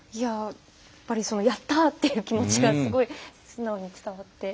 やっぱりやった！という気持ちがすごい素直に伝わってきて。